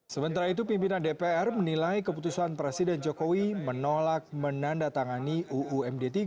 sementara itu pimpinan dpr menilai keputusan presiden jokowi menolak menandatangani uumd tiga